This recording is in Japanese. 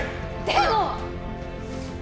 でも！